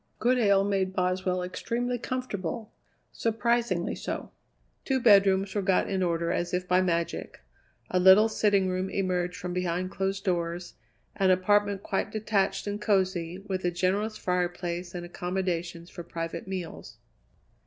Goodale made Boswell extremely comfortable, surprisingly so. Two bedrooms were got in order as if by magic; a little sitting room emerged from behind closed doors; an apartment quite detached and cozy, with a generous fireplace and accommodations for private meals.